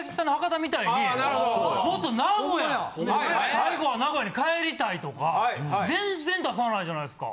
最後は名古屋に帰りたいとか全然出さないじゃないですか。